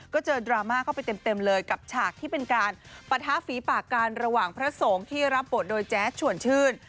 ก็เจอดราม่าเข้าไปเต็มเลยกับฉากที่เป็นการปะทะฝีปากกันระหว่างพระสงฆ์ที่รับบทโดยแจ๊ดชวนชื่น